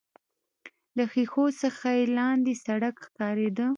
له ښيښو څخه يې لاندې سړک ښکارېده.